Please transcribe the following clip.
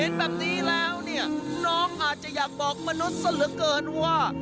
เห็นแบบนี้แล้วเนี่ยน้องอาจจะอยากบอกมนุษย์ซะเหลือเกินว่า